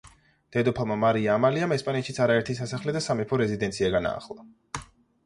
დედოფალმა მარია ამალიამ ესპანეთშიც არაერთი სასახლე და სამეფო რეზიდენცია განაახლა.